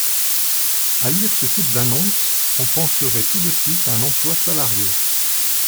À lire ce type d’annonce, on penserait tout de suite à un emploi salarié.